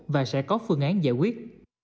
và sẽ có phương án giải quyết